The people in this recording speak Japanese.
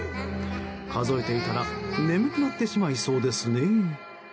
数えていたら眠くなってしまいそうですね。